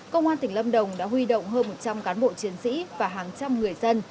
công an tỉnh lâm đồng đã huy động hơn một trăm linh cán bộ chiến sĩ và hàng trăm người dân